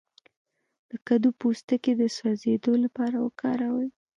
د کدو پوستکی د سوځیدو لپاره وکاروئ